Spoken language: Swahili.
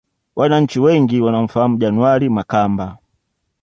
Wananchi wengi wanamfahamu January Makamba